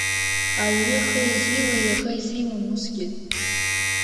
Ауаҩы ихы иазиуа иаӷа изиуам усгьы.